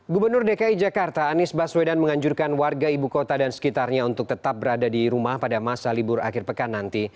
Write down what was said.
gubernur dki jakarta anies baswedan menganjurkan warga ibu kota dan sekitarnya untuk tetap berada di rumah pada masa libur akhir pekan nanti